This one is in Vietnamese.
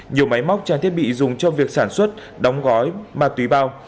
nhiều máy móc trang thiết bị dùng cho việc sản xuất đóng gói ma túy bao